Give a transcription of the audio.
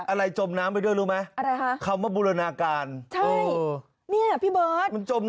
อะไรจมน้ำไปด้วยรู้ไหม